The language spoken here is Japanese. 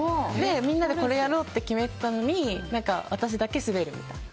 みんなでこれやろうと決めたのに私だけスベるみたいな。